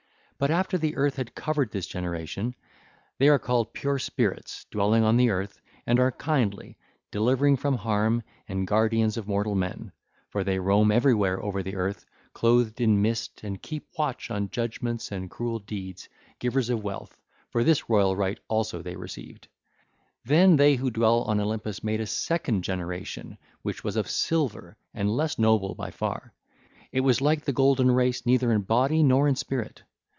(ll. 121 139) But after earth had covered this generation—they are called pure spirits dwelling on the earth, and are kindly, delivering from harm, and guardians of mortal men; for they roam everywhere over the earth, clothed in mist and keep watch on judgements and cruel deeds, givers of wealth; for this royal right also they received;—then they who dwell on Olympus made a second generation which was of silver and less noble by far. It was like the golden race neither in body nor in spirit.